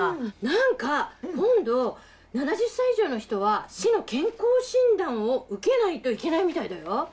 何か今度７０歳以上の人は市の健康診断を受けないといけないみたいだよ。